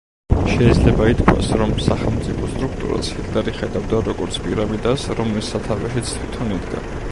შეიძლება ითქვას, რომ სახელმწიფო სტრუქტურას ჰიტლერი ხედავდა როგორც პირამიდას, რომლის სათავეშიც თვითონ იდგა.